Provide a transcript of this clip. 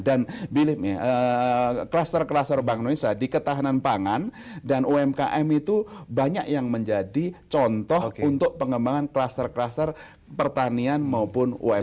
dan kluster kluster bank indonesia di ketahanan pangan dan umkm itu banyak yang menjadi contoh untuk pengembangan kluster kluster pertanian maupun umkm